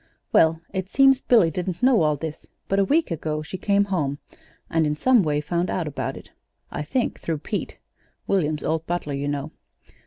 "Well, it seems Billy didn't know all this; but a week ago she came home, and in some way found out about it, I think through Pete William's old butler, you know.